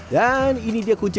dan ini dia kunci